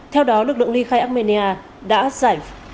theo đó lực lượng ly khai armenia đã giải